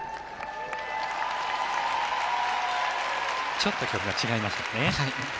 ちょっと曲が違いましたね。